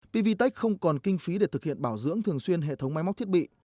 pvtech không còn kinh phí để thực hiện bảo dưỡng thường xuyên hệ thống máy móc thiết bị